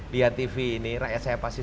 dia tv ini rakyat saya pasti